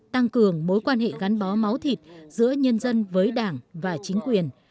tăng cường mối quan hệ gắn bó máu thịt giữa nhân dân với đảng và chính quyền